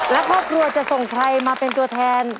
และครอบครัวจะส่งใครมาเป็นตัวแทน